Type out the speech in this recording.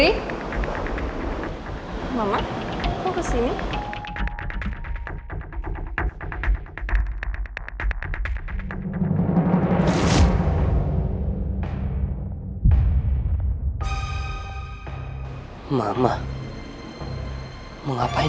harus lari nga dalam mobil